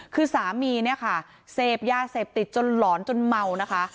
คือสามีเนี่ยค่ะเสพยาเสพติดจนหลอนจนเมานะคะ